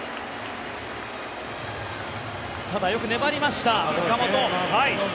ただ、よく粘りました、岡本。